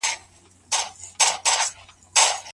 يعني لوى سلطنت او انګريزانو متحده دولت يا كامن ويلټ تجويز كړ ،